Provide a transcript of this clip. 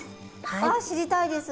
あ知りたいです。